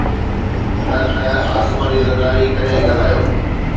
نه ته آصف علي زرداري ڪڏهن ڳالهايو.